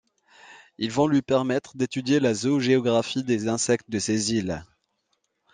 Ils vont lui permettre d’étudier la zoogéographie des insectes de ces îles.